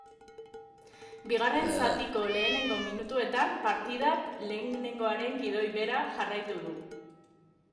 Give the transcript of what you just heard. Bigarren zatiko lehenengo minutuetan partidak lehenengoaren gidoi bera jarraitu du.